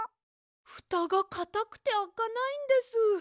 ふたがかたくてあかないんです。